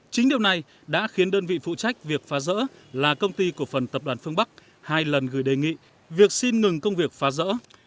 chính điều này đã khiến đơn vị phụ trách việc phá rỡ là công ty của phần tập đoàn phương bắc hai lần gửi đề nghị việc xin ngừng công việc phá rỡ